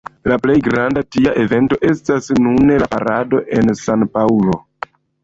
La plej granda tia evento estas nune la parado en San-Paŭlo.